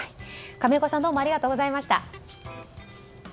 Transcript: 亀岡さんありがとうございました。